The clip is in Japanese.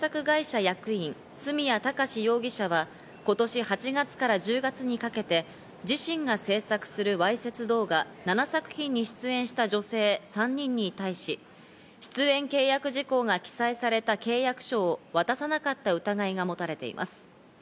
警視庁によりますと、映像制作会社の役員・角谷貴史容疑者は、今年８月から１０月にかけて自身が制作するわいせつ動画７作品に出演した女性３人に対し、出演契約事項が記載された契約書を渡さなかった疑いが持たれています。